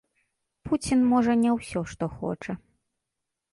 Пуцін можа не ўсё, што хоча.